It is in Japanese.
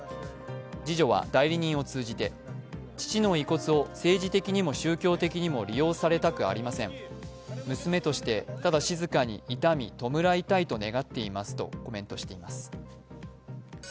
次女は代理人を通じて父の遺骨を政治的にも宗教的にも利用されたくありません、娘としてただ静かに、悼み、弔いたいと願っていますとコメントしています。